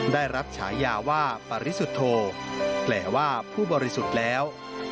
ได้รับฉายาว่าปริสุทธโธแปลว่าผู้บริสุทธิ์แล้ว